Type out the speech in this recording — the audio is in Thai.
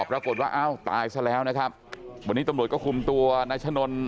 ปรากฏว่าอ้าวตายซะแล้วนะครับวันนี้ตำรวจก็คุมตัวนายชะนน